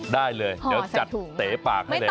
ได้เลยเดี๋ยวจัดเต๋ปากให้เลย